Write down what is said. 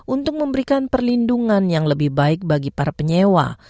untuk memberikan perlindungan yang lebih baik bagi para penyewa